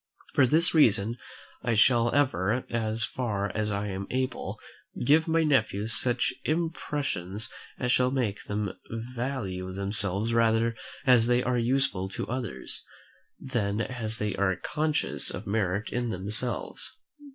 For this reason I shall ever, as far as I am able, give my nephews such impressions as shall make them value themselves rather as they are useful to others, than as they are conscious of merit in themselves.